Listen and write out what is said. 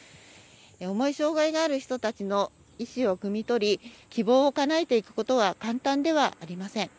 重い障害がある人たちの意思をくみ取り、希望をかなえていくことは簡単ではありません。